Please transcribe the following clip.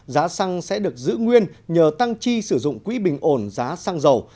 giá xăng sẽ được giữ nguyên nhờ tăng chi sử dụng quỹ bình ổn giá xăng dầu